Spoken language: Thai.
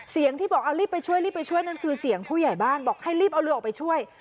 เสียงที่บอกเอารีบไปช่วยรีบไปช่วยนั่นคือเสียงผู้ใหญ่บ้านบอกให้รีบเอาเรือออกไปช่วย